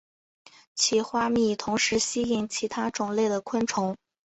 其花蜜同时吸引其他种类的昆虫。